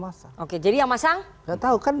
masang jadi yang masang nggak tahu kan